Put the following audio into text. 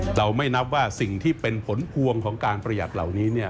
เราไม่นับว่าสิ่งที่เป็นผลพวงของการประหยัดเหล่านี้